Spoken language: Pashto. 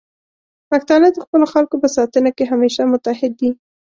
پښتانه د خپلو خلکو په ساتنه کې همیشه متعهد دي.